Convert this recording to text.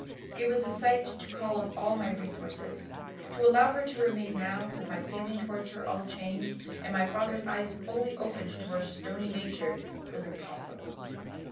"It was a sight to call up all my resources. To allow her to remain now, with my feelings towards her all changed and my father's eyes fully opened to her stony nature, was impossible.